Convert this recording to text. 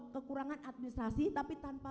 kekurangan administrasi tapi tanpa